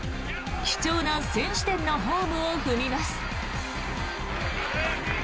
貴重な先取点のホームを踏みます。